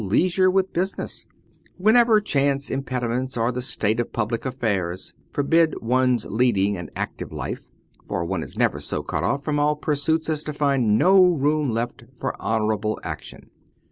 263 leisure with business, whenever chance impediments or the state of public affairs forbid one's leading an active life : for one is never so cut off from all pursuits as to find no room left for honourable action.